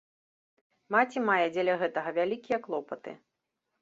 Маці мае дзеля гэтага вялікія клопаты.